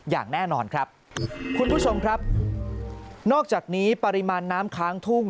อย่างแน่นอนครับคุณผู้ชมครับนอกจากนี้ปริมาณน้ำค้างทุ่ง